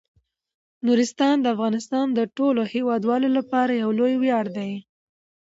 نورستان د افغانستان د ټولو هیوادوالو لپاره یو لوی ویاړ دی.